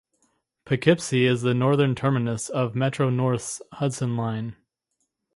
Poughkeepsie is the northern terminus of Metro-North's Hudson Line.